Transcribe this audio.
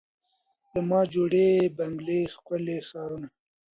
له ما جوړي بنګلې ښکلي ښارونه